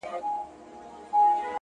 زما د هر شعر نه د هري پيغلي بد راځي ـ